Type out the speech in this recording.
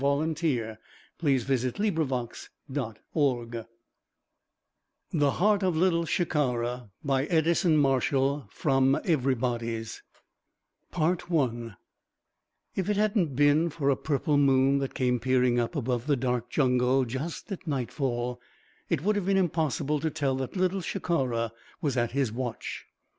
HENRY MEMORIAL AWARD PRIZE STORIES of 1921_ THE HEART OF LITTLE SHIKARA By EDISON MARSHALL From Everybody's I If it hadn't been for a purple moon that came peering up above the dark jungle just at nightfall, it would have been impossible to tell that Little Shikara was at his watch.